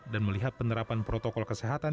dan melihat penerapan protokol kesehatan